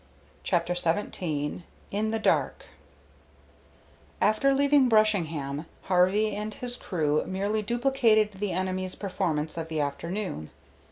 CHAPTER XVII IN THE DARK After leaving Brushingham, Harvey and his crew merely duplicated the enemy's performance of the afternoon.